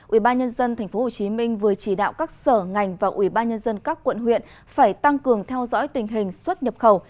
ubnd tp hcm vừa chỉ đạo các sở ngành và ubnd các quận huyện phải tăng cường theo dõi tình hình xuất nhập khẩu